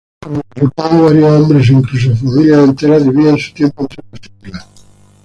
Como resultado, varios hombres, e incluso familias enteras, dividen su tiempo entre las islas.